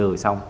họ bị lừa xong